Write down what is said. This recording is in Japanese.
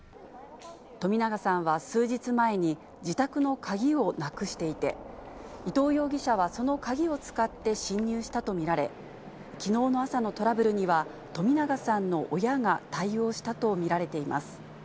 冨永さんは数日前に、自宅の鍵をなくしていて、伊藤容疑者は、その鍵を使って侵入したと見られ、きのうの朝のトラブルには、冨永さんの親が対応したと見られています。